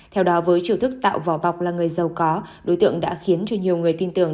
theo đó với chiều thức tạo vỏ bọc là người giàu có đối tượng đã khiến cho nhiều người tin tưởng